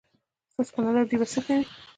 ستاسو په نظر دوی به څه کوي؟